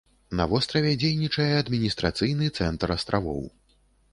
На востраве дзейнічае адміністрацыйны цэнтр астравоў.